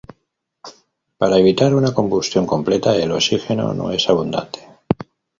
Para evitar una combustión completa, el oxígeno no es abundante.